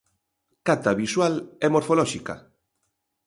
Cata visual e morfolóxica.